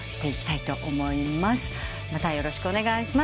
またよろしくお願いします。